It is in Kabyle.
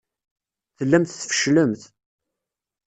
Tellamt tfecclemt.